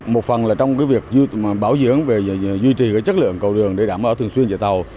một phần là trong cái việc bảo dưỡng về duy trì chất lượng cầu đường để đảm bảo thường xuyên chạy tàu